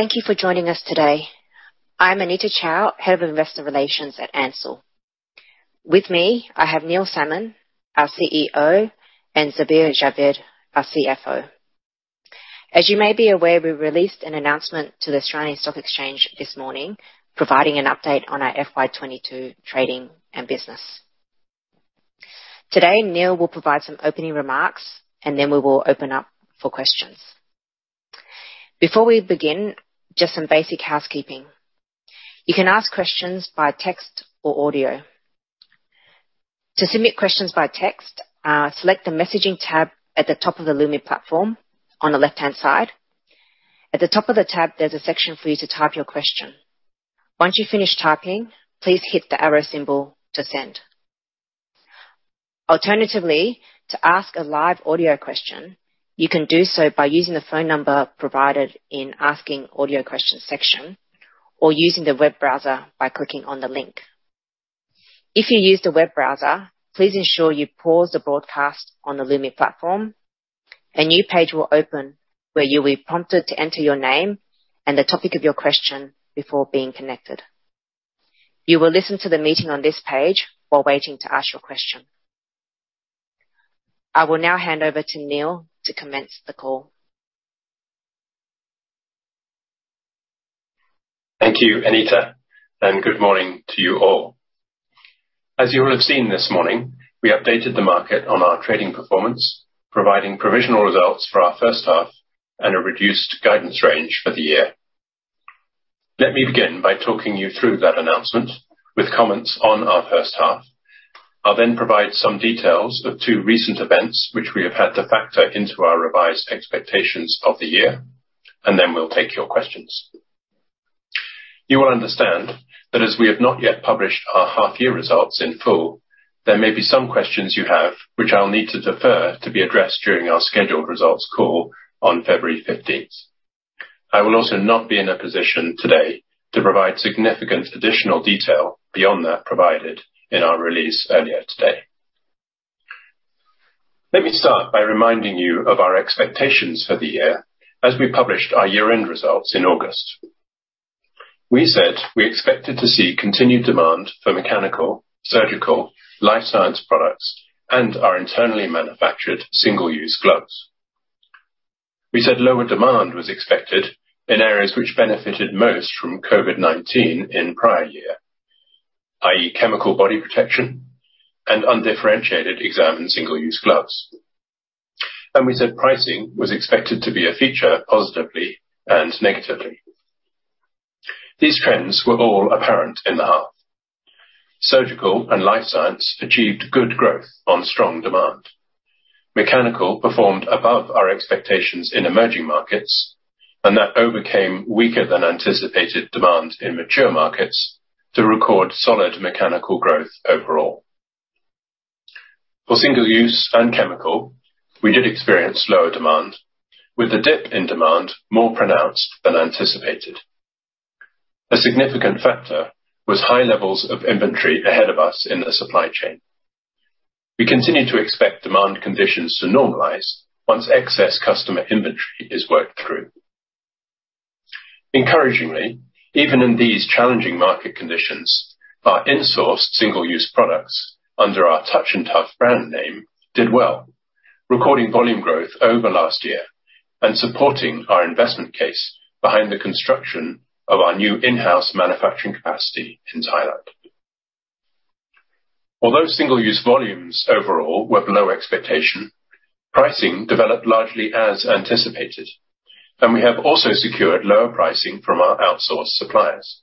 Thank you for joining us today. I'm Anita Chow, Head of Investor Relations at Ansell. With me, I have Neil Salmon, our CEO, and Zubair Javeed, our CFO. As you may be aware, we released an announcement to the Australian Securities Exchange this morning providing an update on our FY 2022 trading and business. Today, Neil will provide some opening remarks, and then we will open up for questions. Before we begin, just some basic housekeeping. You can ask questions by text or audio. To submit questions by text, select the messaging tab at the top of the Lumi platform on the left-hand side. At the top of the tab, there's a section for you to type your question. Once you finish typing, please hit the arrow symbol to send. Alternatively, to ask a live audio question, you can do so by using the phone number provided in Asking Audio Questions section or using the web browser by clicking on the link. If you use the web browser, please ensure you pause the broadcast on the Lumi platform. A new page will open where you'll be prompted to enter your name and the topic of your question before being connected. You will listen to the meeting on this page while waiting to ask your question. I will now hand over to Neil to commence the call. Thank you, Anita, and good morning to you all. As you will have seen this morning, we updated the market on our trading performance, providing provisional results for our H1 and a reduced guidance range for the year. Let me begin by talking you through that announcement with comments on our H1. I'll then provide some details of two recent events which we have had to factor into our revised expectations of the year, and then we'll take your questions. You will understand that as we have not yet published our half year results in full, there may be some questions you have which I'll need to defer to be addressed during our scheduled results call on February fifteenth. I will also not be in a position today to provide significant additional detail beyond that provided in our release earlier today. Let me start by reminding you of our expectations for the year as we published our year-end results in August. We said we expected to see continued demand for mechanical, surgical, life science products, and our internally manufactured single-use gloves. We said lower demand was expected in areas which benefited most from COVID-19 in prior year, i.e., chemical body protection and undifferentiated exam and single-use gloves. We said pricing was expected to be a feature positively and negatively. These trends were all apparent in the half. Surgical and life science achieved good growth on strong demand. Mechanical performed above our expectations in emerging markets, and that overcame weaker than anticipated demand in mature markets to record solid mechanical growth overall. For single-use and chemical, we did experience lower demand with the dip in demand more pronounced than anticipated. A significant factor was high levels of inventory ahead of us in the supply chain. We continue to expect demand conditions to normalize once excess customer inventory is worked through. Encouragingly, even in these challenging market conditions, our in-sourced single-use products under our TouchNTuff brand name did well, recording volume growth over last year and supporting our investment case behind the construction of our new in-house manufacturing capacity in Thailand. Although single-use volumes overall were below expectation, pricing developed largely as anticipated, and we have also secured lower pricing from our outsourced suppliers.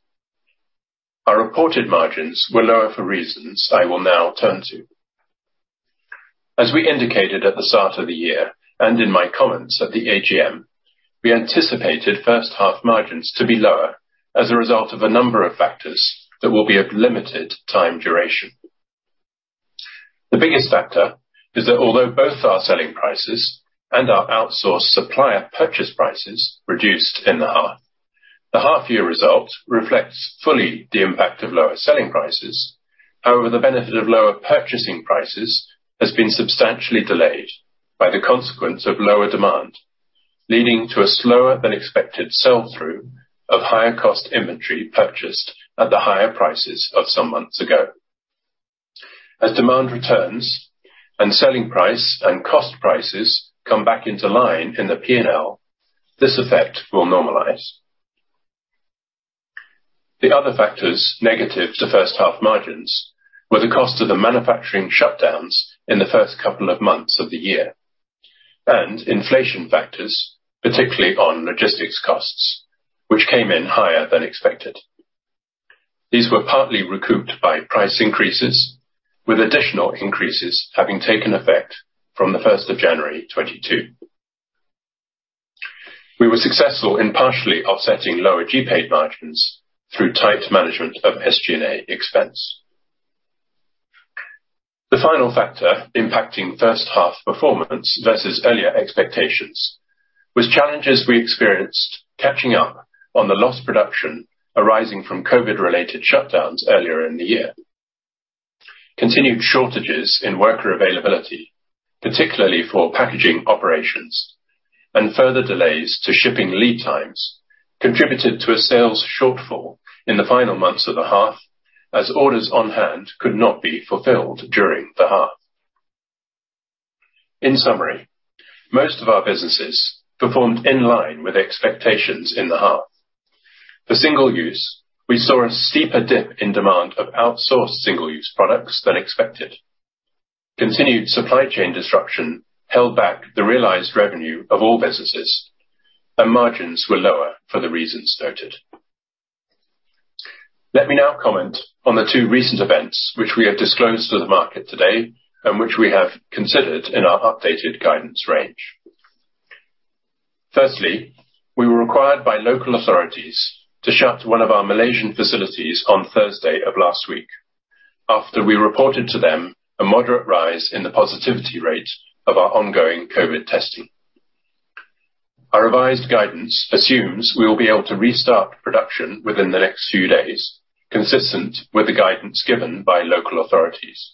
Our reported margins were lower for reasons I will now turn to. As we indicated at the start of the year and in my comments at the AGM, we anticipated H1 margins to be lower as a result of a number of factors that will be of limited time duration. The biggest factor is that although both our selling prices and our outsourced supplier purchase prices reduced in the half, the half year result reflects fully the impact of lower selling prices. However, the benefit of lower purchasing prices has been substantially delayed by the consequence of lower demand, leading to a slower than expected sell-through of higher cost inventory purchased at the higher prices of some months ago. As demand returns and selling price and cost prices come back into line in the P&L, this effect will normalize. The other factors negative to H1 margins were the cost of the manufacturing shutdowns in the first couple of months of the year, and inflation factors, particularly on logistics costs, which came in higher than expected. These were partly recouped by price increases, with additional increases having taken effect from the first of January 2022. We were successful in partially offsetting lower GP margins through tight management of SG&A expense. The final factor impacting H1 performance versus earlier expectations was challenges we experienced catching up on the lost production arising from COVID-related shutdowns earlier in the year. Continued shortages in worker availability, particularly for packaging operations and further delays to shipping lead times contributed to a sales shortfall in the final months of the half, as orders on hand could not be fulfilled during the half. In summary, most of our businesses performed in line with expectations in the half. For single use, we saw a steeper dip in demand of outsourced single-use products than expected. Continued supply chain disruption held back the realized revenue of all businesses, and margins were lower for the reasons stated. Let me now comment on the two recent events which we have disclosed to the market today and which we have considered in our updated guidance range. Firstly, we were required by local authorities to shut one of our Malaysian facilities on Thursday of last week after we reported to them a moderate rise in the positivity rate of our ongoing COVID testing. Our revised guidance assumes we will be able to restart production within the next few days, consistent with the guidance given by local authorities.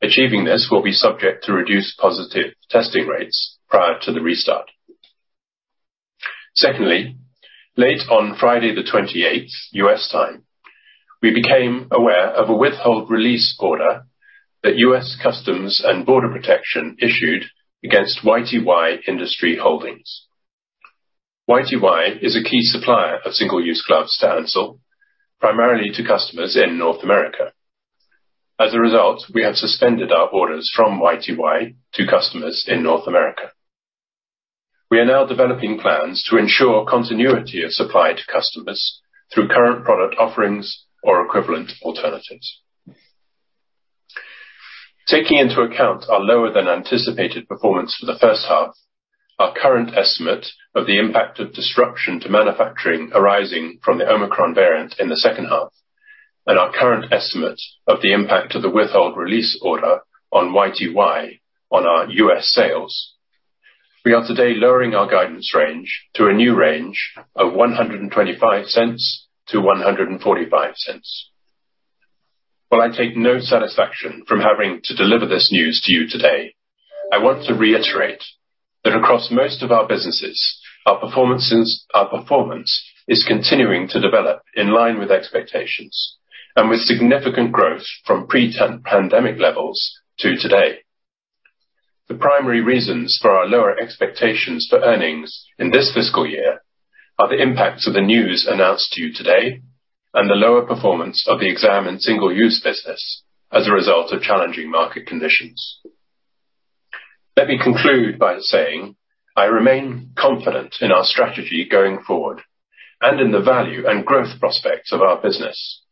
Achieving this will be subject to reduced positive testing rates prior to the restart. Secondly, late on Friday the 28th, U.S. time, we became aware of a Withhold Release Order that U.S. Customs and Border Protection issued against YTY Industry Holdings. YTY is a key supplier of single-use gloves to Ansell, primarily to customers in North America. As a result, we have suspended our orders from YTY to customers in North America. We are now developing plans to ensure continuity of supply to customers through current product offerings or equivalent alternatives. Taking into account our lower than anticipated performance for the H1, our current estimate of the impact of disruption to manufacturing arising from the Omicron variant in the H2, and our current estimate of the impact of the Withhold Release Order on YTY on our U.S. sales, we are today lowering our guidance range to a new range of 1.25-1.45. While I take no satisfaction from having to deliver this news to you today, I want to reiterate that across most of our businesses, our performance is continuing to develop in line with expectations and with significant growth from pre-pan-pandemic levels to today. The primary reasons for our lower expectations for earnings in this fiscal year are the impacts of the news announced to you today and the lower performance of the exam and single-use business as a result of challenging market conditions. Let me conclude by saying I remain confident in our strategy going forward and in the value and growth prospects of our business.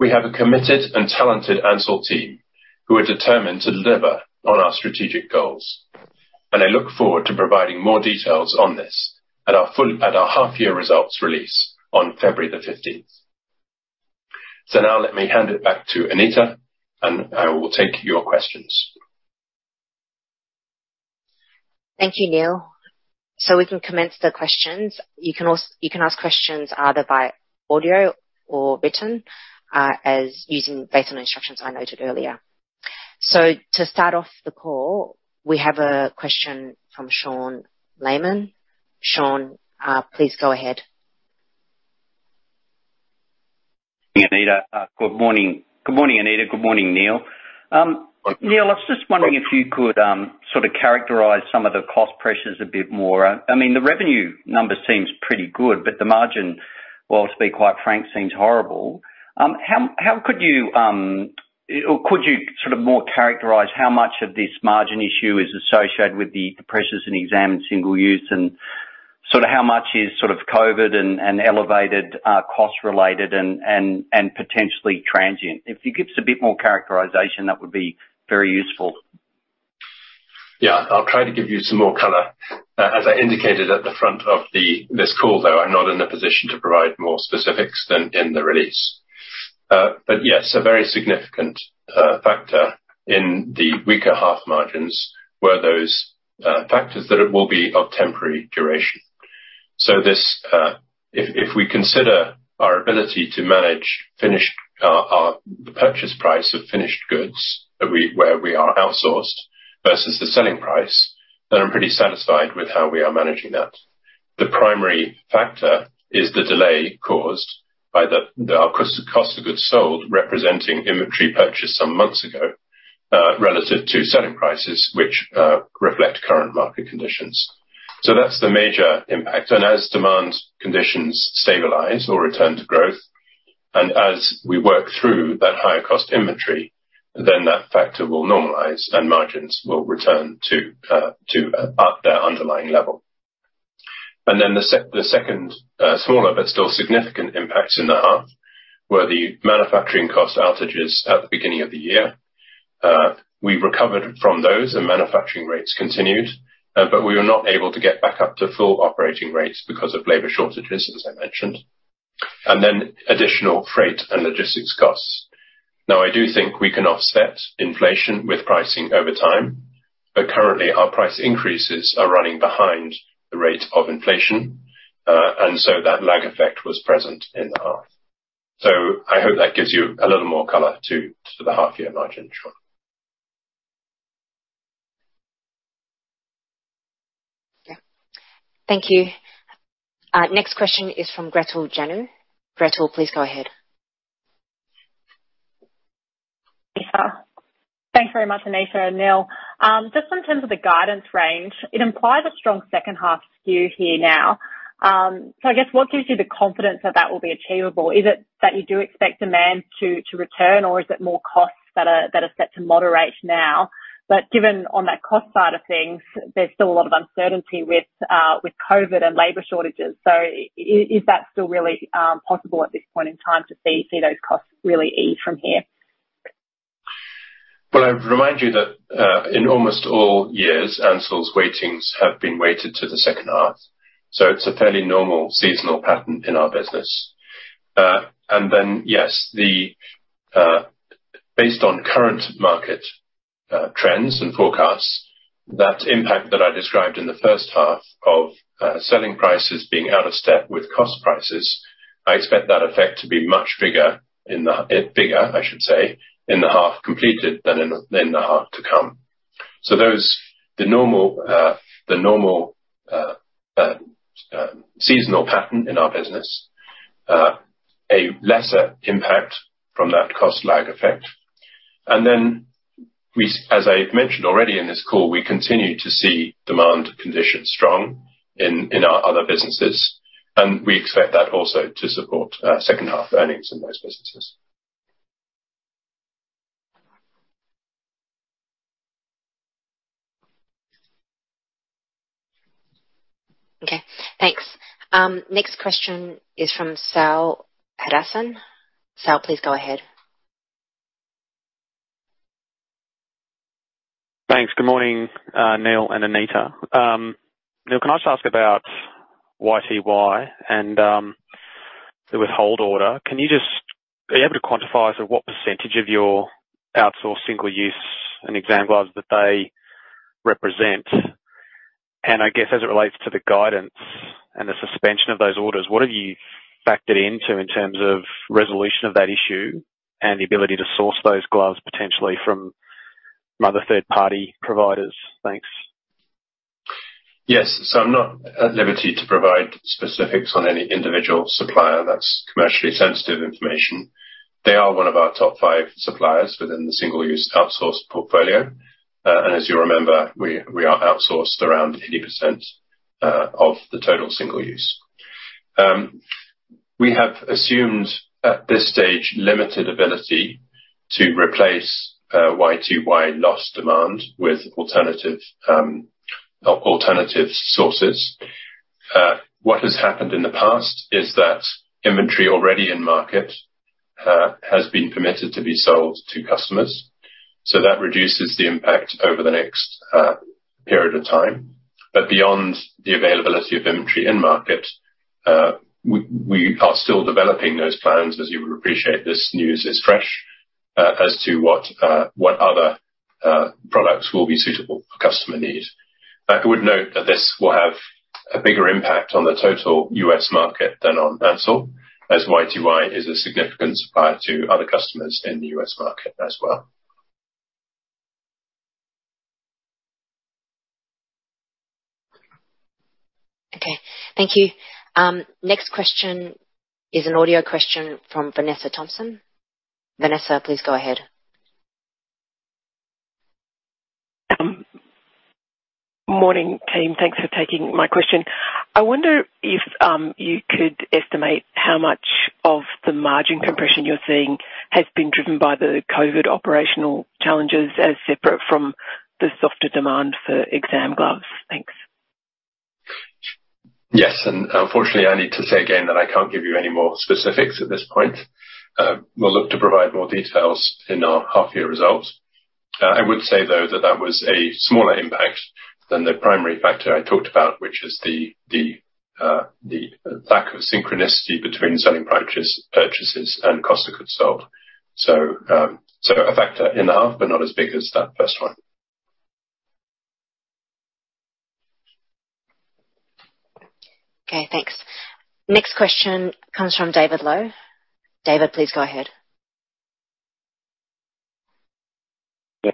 We have a committed and talented Ansell team who are determined to deliver on our strategic goals, and I look forward to providing more details on this at our half year results release on February the 15th. Now let me hand it back to Anita, and I will take your questions. Thank you, Neil. We can commence the questions. You can ask questions either by audio or written, using the instructions I noted earlier. To start off the call, we have a question from Sean Laaman. Sean, please go ahead. Good morning. Good morning, Anita. Good morning, Neil. Neil, I was just wondering if you could sort of characterize some of the cost pressures a bit more. I mean, the revenue number seems pretty good, but the margin, well, to be quite frank, seems horrible. How could you or could you sort of more characterize how much of this margin issue is associated with the pressures in exam and single use and sort of how much is sort of COVID and elevated cost related and potentially transient? If you give us a bit more characterization, that would be very useful. Yeah, I'll try to give you some more color. As I indicated at the front of this call, though, I'm not in a position to provide more specifics than in the release. Yes, a very significant factor in the weaker half margins were those factors that it will be of temporary duration. If we consider our ability to manage the purchase price of finished goods where we are outsourced versus the selling price, then I'm pretty satisfied with how we are managing that. The primary factor is the delay caused by the cost of goods sold, representing inventory purchased some months ago, relative to selling prices which reflect current market conditions. That's the major impact. As demand conditions stabilize or return to growth, and as we work through that higher cost inventory, then that factor will normalize and margins will return to their underlying level. The second, smaller but still significant impacts in the half were the manufacturing cost outages at the beginning of the year. We recovered from those and manufacturing rates continued, but we were not able to get back up to full operating rates because of labor shortages, as I mentioned, and then additional freight and logistics costs. Now, I do think we can offset inflation with pricing over time. Currently our price increases are running behind the rate of inflation, and so that lag effect was present in the half. I hope that gives you a little more color to the half year margin shrunk. Yeah. Thank you. Next question is from Gretel Janu. Gretel, please go ahead. Thanks very much, Anita and Neil. Just in terms of the guidance range, it implies a strong H2 here now. I guess what gives you the confidence that will be achievable? Is it that you do expect demand to return or is it more costs that are set to moderate now? Given on that cost side of things, there's still a lot of uncertainty with COVID and labor shortages. Is that still really possible at this point in time to see those costs really ease from here? Well, I remind you that in almost all years, Ansell's weightings have been weighted to the H2, so it's a fairly normal seasonal pattern in our business. Yes, based on current market trends and forecasts, that impact that I described in the H1 of selling prices being out of step with cost prices, I expect that effect to be much bigger, I should say, in the half completed than in the half to come. There is the normal seasonal pattern in our business, a lesser impact from that cost lag effect. As I've mentioned already in this call, we continue to see demand conditions strong in our other businesses, and we expect that also to support H2 earnings in those businesses. Okay. Thanks. Next question is from Saul Hadassin. Sal, please go ahead. Thanks. Good morning, Neil and Anita. Neil, can I just ask about YTY and the withhold order? Are you able to quantify sort of what percentage of your outsourced single-use and exam gloves that they represent? I guess as it relates to the guidance and the suspension of those orders, what have you factored into in terms of resolution of that issue and the ability to source those gloves potentially from other third-party providers? Thanks. Yes. I'm not at liberty to provide specifics on any individual supplier that's commercially sensitive information. They are one of our top five suppliers within the single-use outsourced portfolio. As you remember, we are outsourced around 80% of the total single-use. We have assumed at this stage limited ability to replace YTY lost demand with alternative sources. What has happened in the past is that inventory already in market has been permitted to be sold to customers. That reduces the impact over the next period of time. Beyond the availability of inventory in market, we are still developing those plans. As you would appreciate, this news is fresh as to what other products will be suitable for customer needs. I would note that this will have a bigger impact on the total U.S. market than on Ansell, as YTY is a significant supplier to other customers in the U.S. market as well. Okay. Thank you. Next question is an audio question from Vanessa Thomson. Vanessa, please go ahead. Morning, team. Thanks for taking my question. I wonder if you could estimate how much of the margin compression you're seeing has been driven by the COVID operational challenges as separate from the softer demand for exam gloves. Thanks. Yes. Unfortunately, I need to say again that I can't give you any more specifics at this point. We'll look to provide more details in our half year results. I would say, though, that that was a smaller impact than the primary factor I talked about, which is the lack of synchronicity between selling purchases and cost of goods sold. So a factor in half, but not as big as that first one. Okay, thanks. Next question comes from David Low. David, please go ahead. Yeah.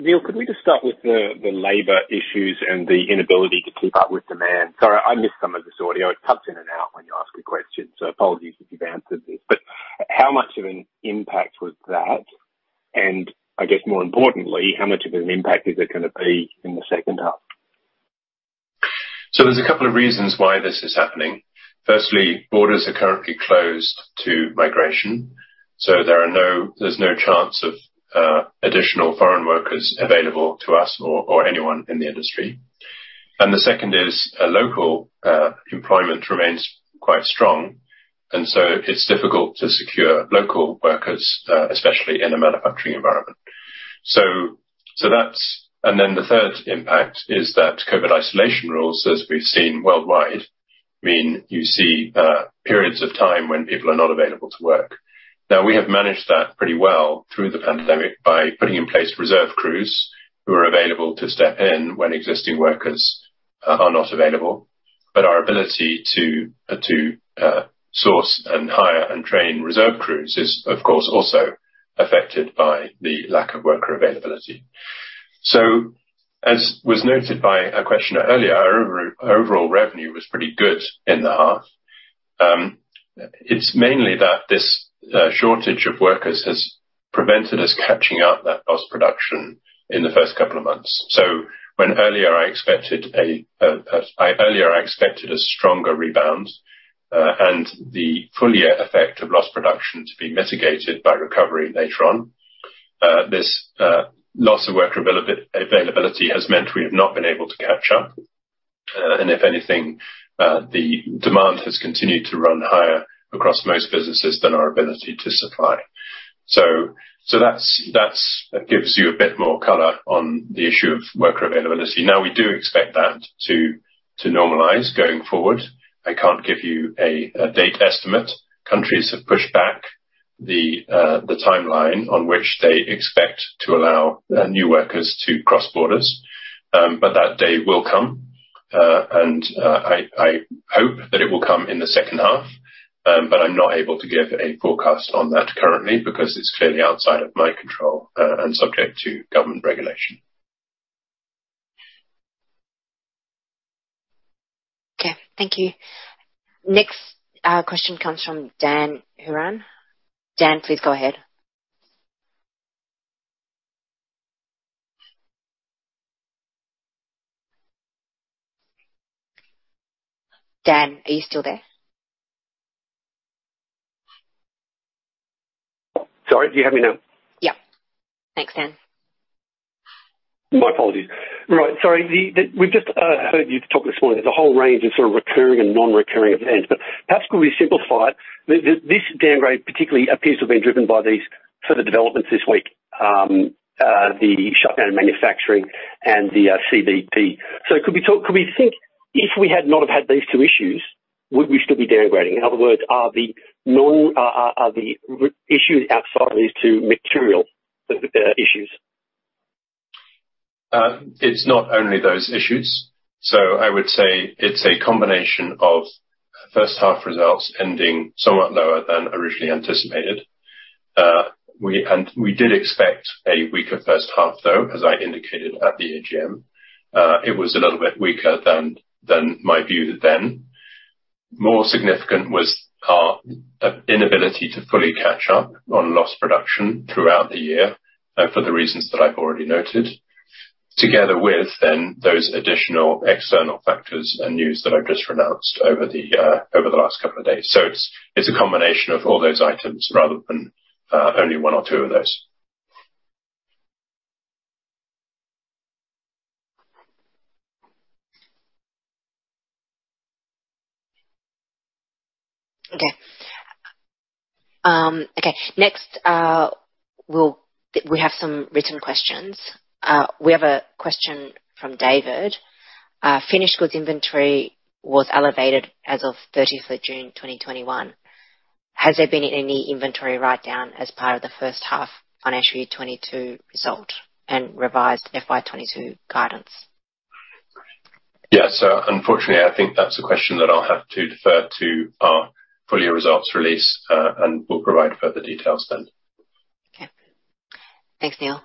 Neil, could we just start with the labor issues and the inability to keep up with demand? Sorry, I missed some of this audio. It cuts in and out when you ask a question, so apologies if you've answered this, but how much of an impact was that? I guess more importantly, how much of an impact is it gonna be in the H2? There's a couple of reasons why this is happening. Firstly, borders are currently closed to migration, so there's no chance of additional foreign workers available to us or anyone in the industry. The second is local employment remains quite strong, and so it's difficult to secure local workers, especially in a manufacturing environment. The third impact is that COVID isolation rules, as we've seen worldwide, meaning you see periods of time when people are not available to work. Now, we have managed that pretty well through the pandemic by putting in place reserve crews who are available to step in when existing workers are not available. But our ability to source and hire and train reserve crews is, of course, also affected by the lack of worker availability. As was noted by a questioner earlier, our overall revenue was pretty good in the half. It's mainly that this shortage of workers has prevented us catching up that lost production in the first couple of months. When earlier I expected a stronger rebound, and the full year effect of lost production to be mitigated by recovery later on. This loss of worker availability has meant we have not been able to catch up. And if anything, the demand has continued to run higher across most businesses than our ability to supply. That gives you a bit more color on the issue of worker availability. Now, we do expect that to normalize going forward. I can't give you a date estimate. Countries have pushed back the timeline on which they expect to allow new workers to cross borders. That day will come. I hope that it will come in the H2. I'm not able to give a forecast on that currently because it's clearly outside of my control, and subject to government regulation. Okay. Thank you. Next, question comes from Dan Hurren. Dan, please go ahead. Dan, are you still there? Sorry, do you hear me now? Yeah. Thanks, Dan. My apologies. Right. Sorry. We've just heard you talk this morning. There's a whole range of sort of recurring and non-recurring events, but perhaps could we simplify it? This downgrade particularly appears to have been driven by these further developments this week, the shutdown in manufacturing and the CBP. Could we think if we had not have had these two issues, would we still be downgrading? In other words, are the issues outside these two material issues? It's not only those issues. I would say it's a combination of H1 results ending somewhat lower than originally anticipated. We did expect a weaker H1, though, as I indicated at the AGM. It was a little bit weaker than my view then. More significant was our inability to fully catch up on lost production throughout the year, for the reasons that I've already noted, together with those additional external factors and news that I've just announced over the last couple of days. It's a combination of all those items rather than only one or two of those. Okay. Okay. Next, we have some written questions. We have a question from David. Finished goods inventory was elevated as of 30 June 2021. Has there been any inventory write-down as part of the H1 FY 2022 result and revised FY 2022 guidance? Yeah. Unfortunately, I think that's a question that I'll have to defer to our full year results release, and we'll provide further details then. Okay. Thanks, Neil.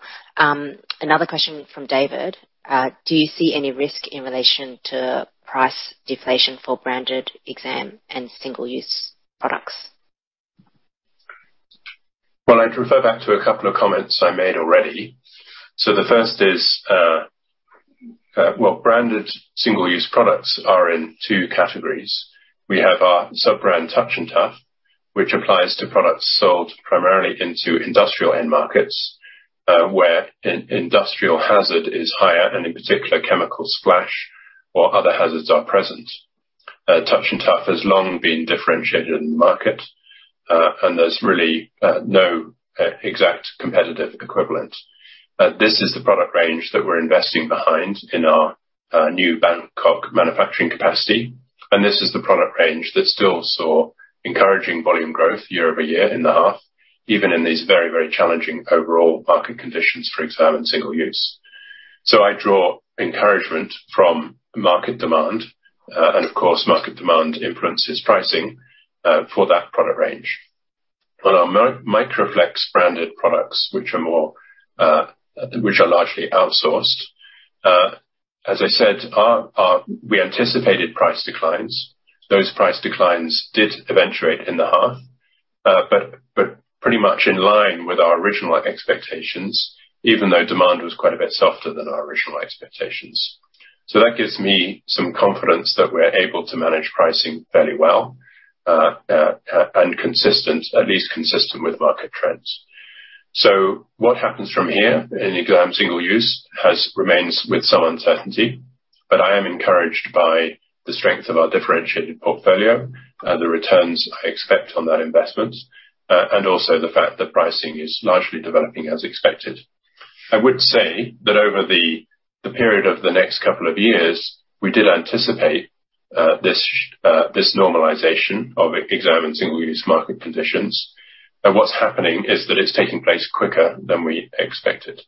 Another question from David. Do you see any risk in relation to price deflation for branded exam and single-use products? Well, I'd refer back to a couple of comments I made already. The first is, well, branded single-use products are in two categories. We have our sub-brand TouchNTuff, which applies to products sold primarily into industrial end markets, where industrial hazard is higher, and in particular, chemical splash or other hazards are present. TouchNTuff has long been differentiated in the market, and there's really no exact competitive equivalent. This is the product range that we're investing behind in our new Bangkok manufacturing capacity, and this is the product range that still saw encouraging volume growth year-over-year in the half, even in these very, very challenging overall market conditions for exam and single-use. I draw encouragement from market demand, and of course, market demand influences pricing for that product range. On our Microflex branded products, which are largely outsourced, as I said, we anticipated price declines. Those price declines did eventuate in the half, but pretty much in line with our original expectations, even though demand was quite a bit softer than our original expectations. That gives me some confidence that we're able to manage pricing fairly well, and at least consistent with market trends. What happens from here in exam single-use remains with some uncertainty, but I am encouraged by the strength of our differentiated portfolio, the returns I expect on that investment, and also the fact that pricing is largely developing as expected. I would say that over the period of the next couple of years, we did anticipate this normalization of exam single-use market conditions. What's happening is that it's taking place quicker than we expected,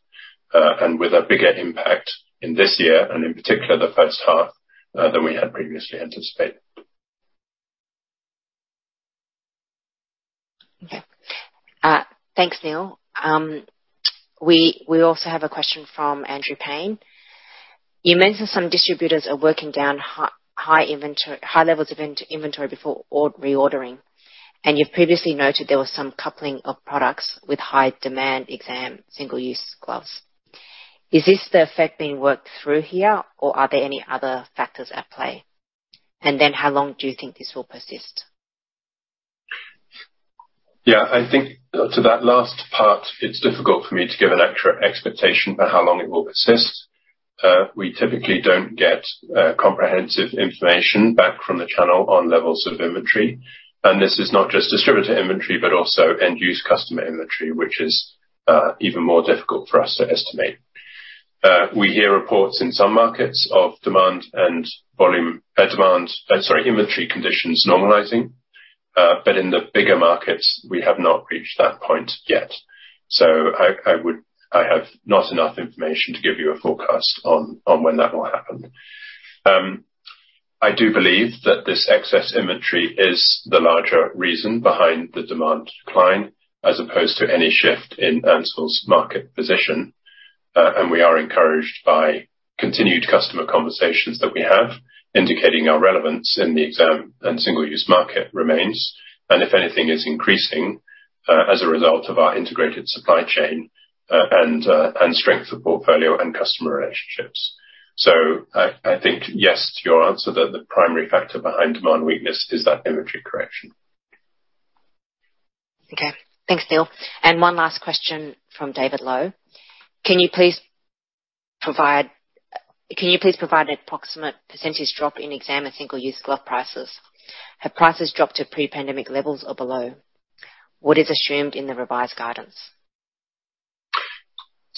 and with a bigger impact in this year, and in particular, the H1, than we had previously anticipated. Okay. Thanks, Neil. We also have a question from Andrew Paine. You mentioned some distributors are working down high levels of inventory before reordering, and you've previously noted there was some coupling of products with high demand exam single-use gloves. Is this the effect being worked through here, or are there any other factors at play? And then how long do you think this will persist? Yeah, I think to that last part, it's difficult for me to give an accurate expectation for how long it will persist. We typically don't get comprehensive information back from the channel on levels of inventory. This is not just distributor inventory, but also end-user customer inventory, which is even more difficult for us to estimate. We hear reports in some markets of inventory conditions normalizing, but in the bigger markets, we have not reached that point yet. I have not enough information to give you a forecast on when that will happen. I do believe that this excess inventory is the larger reason behind the demand decline, as opposed to any shift in Ansell's market position. We are encouraged by continued customer conversations that we have, indicating our relevance in the exam and single-use market remains, and if anything is increasing, as a result of our integrated supply chain, and strength of portfolio and customer relationships. I think yes to your answer. The primary factor behind demand weakness is that inventory correction. Okay. Thanks, Neil. One last question from David Low. Can you please provide an approximate percentage drop in exam and single-use glove prices? Have prices dropped to pre-pandemic levels or below? What is assumed in the revised guidance?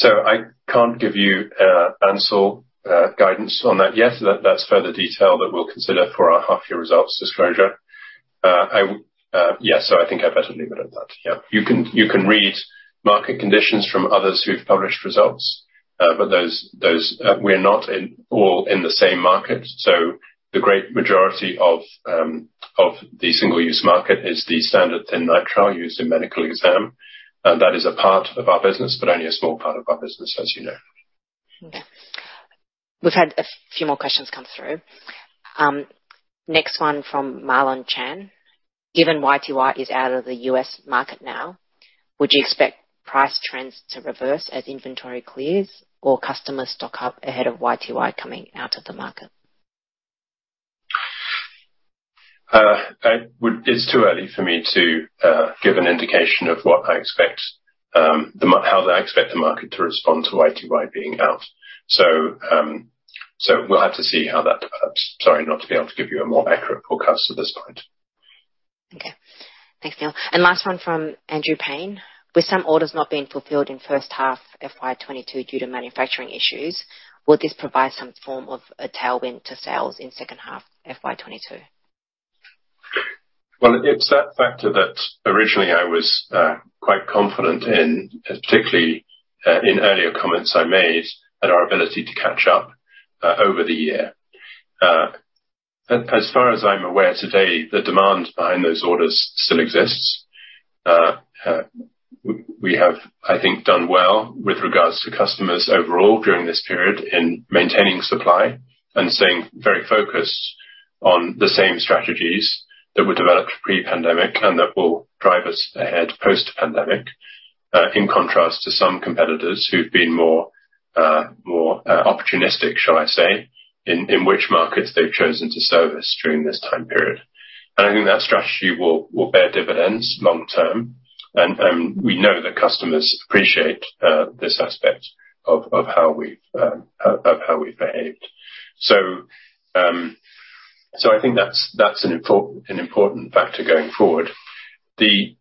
I can't give you Ansell guidance on that yet. That's further detail that we'll consider for our half-year results disclosure. I think I better leave it at that. You can read market conditions from others who've published results, but those, we're not all in the same market. The great majority of the single-use market is the standard thin nitrile used in medical exam. That is a part of our business, but only a small part of our business, as you know. Okay. We've had a few more questions come through. Next one from Marlon Chan. Given YTY is out of the U.S. market now, would you expect price trends to reverse as inventory clears or customer stock up ahead of YTY coming out of the market? It's too early for me to give an indication of what I expect, how I expect the market to respond to YTY being out. We'll have to see how that. Sorry, not to be able to give you a more accurate forecast at this point. Okay. Thanks, Neil. Last one from Andrew Paine. With some orders not being fulfilled in H1 FY 2022 due to manufacturing issues, will this provide some form of a tailwind to sales in H2 FY 2022? Well, it's that factor that originally I was quite confident in, particularly in earlier comments I made, at our ability to catch up over the year. As far as I'm aware today, the demand behind those orders still exists. We have, I think, done well with regards to customers overall during this period in maintaining supply and staying very focused on the same strategies that were developed pre-pandemic and that will drive us ahead post-pandemic, in contrast to some competitors who've been more opportunistic, shall I say, in which markets they've chosen to service during this time period. I think that strategy will bear dividends long term. We know that customers appreciate this aspect of how we've behaved. I think that's an important factor going forward. The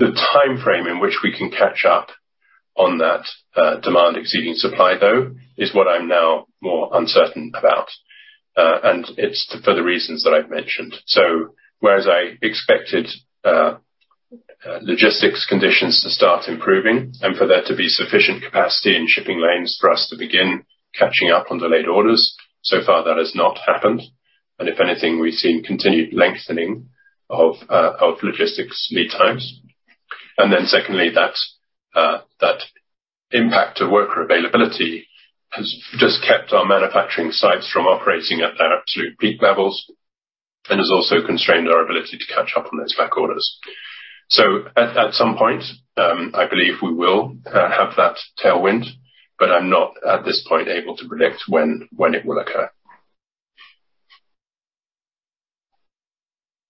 timeframe in which we can catch up on that demand exceeding supply, though, is what I'm now more uncertain about, and it's for the reasons that I've mentioned. Whereas I expected logistics conditions to start improving and for there to be sufficient capacity in shipping lanes for us to begin catching up on delayed orders, so far that has not happened. If anything, we've seen continued lengthening of logistics lead times. Then secondly, that impact to worker availability has just kept our manufacturing sites from operating at their absolute peak levels and has also constrained our ability to catch up on those back orders. At some point, I believe we will have that tailwind, but I'm not at this point able to predict when it will occur.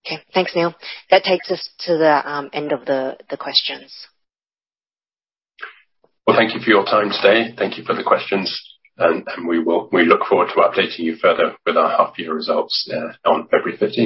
Okay. Thanks, Neil. That takes us to the end of the questions. Well, thank you for your time today. Thank you for the questions. We look forward to updating you further with our half-year results on February 15.